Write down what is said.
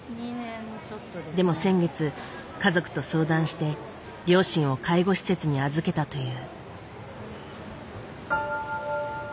でも先月家族と相談して両親を介護施設に預けたという。